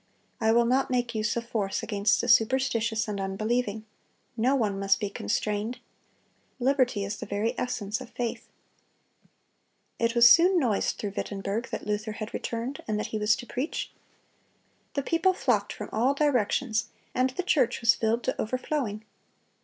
I will not make use of force against the superstitious and unbelieving.... No one must be constrained. Liberty is the very essence of faith."(273) It was soon noised through Wittenberg that Luther had returned, and that he was to preach. The people flocked from all directions, and the church was filled to overflowing.